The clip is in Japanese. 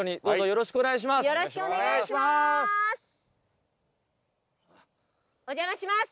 よろしくお願いします！